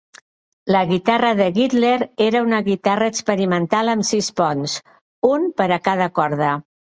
La guitarra de Gittler era una guitarra experimental amb sis ponts, un per a cada corda.